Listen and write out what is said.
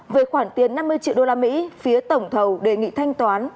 về khoản tiền năm mươi triệu đô la mỹ phía tổng thầu đề nghị thanh toán